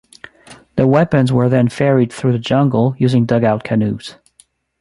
The weapons were then ferried through the jungle using dugout canoes.